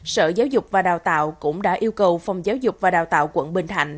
sở giáo dục và đào tạo cũng đã yêu cầu phòng giáo dục và đào tạo quận bình thạnh